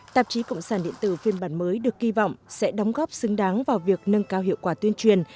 tạp chí cộng sản điện tử phiên bản mới được kỳ vọng sẽ đóng góp xứng đáng vào việc nâng cao hiệu quả tuyên truyền